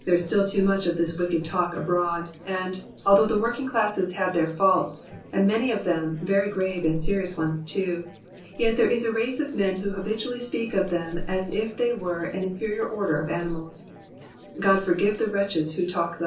^^ There is still too much of this wicked talk abroad, and, althous^h the working classes have their faults, and many of them very grave and serious ones too, yet there is a race of men who habitually speak of them as if they were an inferior order of animals. God forgive the wretches who thus talk.